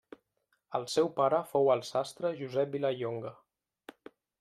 El seu pare fou el sastre Josep Vilallonga.